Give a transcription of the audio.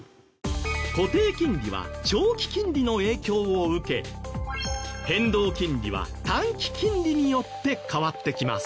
固定金利は長期金利の影響を受け変動金利は短期金利によって変わってきます。